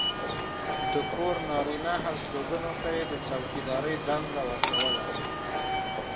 د کور نارینه هستوګنو ته یې د څوکېدارۍ دنده ورکوله.